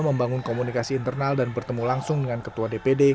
membangun komunikasi internal dan bertemu langsung dengan ketua dpd